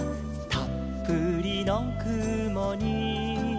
「たっぷりのくもに」